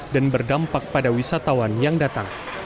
dan berdampak pada wisatawan yang datang